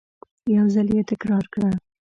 یو ځل یې تکرار کړه !